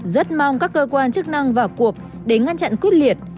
rất mong các cơ quan chức năng vào cuộc để ngăn chặn quyết liệt